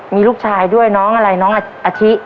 มีลูกชายด้วยน้องอะไรน้องอาทิ